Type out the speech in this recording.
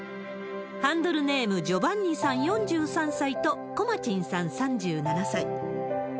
ハンドルネーム、ジョバンニさん４３歳と、コマチンさん３７歳。